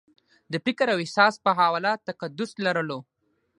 د فکر او احساس په حواله تقدس لرلو